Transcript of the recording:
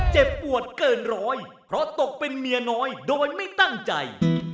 เจ็บปวดเกินร้อยเพราะตกเป็นเมียน้อยโดยไม่ตั้งใจ